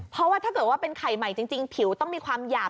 เพราะว่าถ้าเกิดว่าเป็นไข่ใหม่จริงผิวต้องมีความหยาบ